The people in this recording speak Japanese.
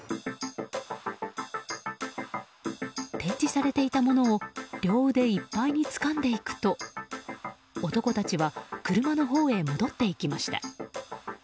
展示されていたものを両腕いっぱいにつかんでいくと男たちは車のほうへ戻っていきました。